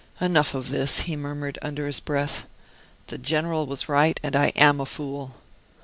"Enough of this," he murmured, under his breath. "The General was right, and I am a fool!"